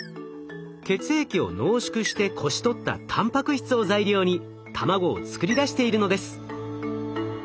血液を濃縮してこし取ったたんぱく質を材料に卵を作り出しているのです。